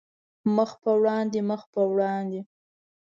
مخ په وړاندې، مخ په وړاندې